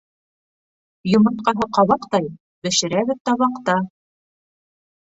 Йомортҡаһы — ҡабаҡтай, Бешерәбеҙ табаҡта.